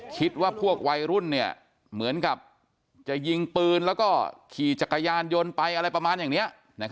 คิดว่าพวกวัยรุ่นเหมือนกับจะยิงปืนแล้วก็ขี่จักรยานยนต์ไปอะไรประมาณอย่างนี้